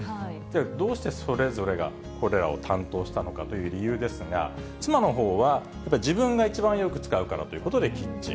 どうしてそれぞれがこれらを担当したのかという理由ですが、妻のほうは、やっぱり自分が一番よく使うからということでキッチン。